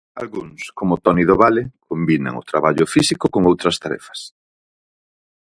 Algúns, como Toni Dovale, combinan o traballo físico con outras tarefas.